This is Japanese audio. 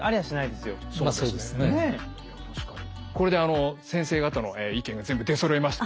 これで先生方の意見が全部出そろいました。